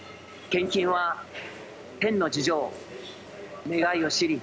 献金は、天の事情、願いを知り、